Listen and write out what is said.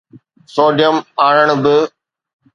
sodium ion ب